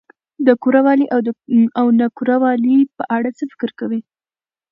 د کره والي او نا کره والي په اړه څه فکر کوؽ